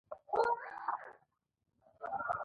پر هند باندي یرغل کولو مخه ونیسي.